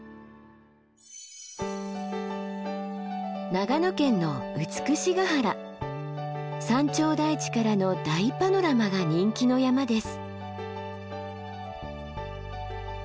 長野県の山頂台地からの大パノラマが人気の山です。